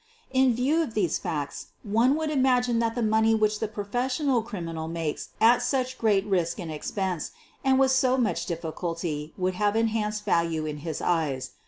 In view of these facts one would imagine that the money which the professional criminal makes at such great risk and expense and with so much difficulty would have an enhanced value in his eyes.